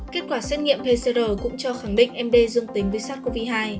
kết quả xét nghiệm pcr cũng cho khẳng định md dương tính với sars cov hai